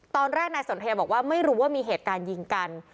ตอนแรกนายสนทยาบอกว่าไม่รู้ว่ามีเหตุการณ์ยิงกัน